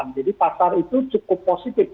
jadi pasar itu cukup posisional